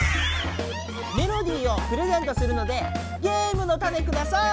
メロディーをプレゼントするのでゲームのタネください！